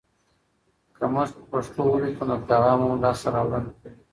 که موږ په پښتو ولیکو، نو پیغام به مو لاسته راوړنه لري.